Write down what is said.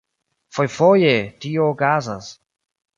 Fojfoje tio okazas.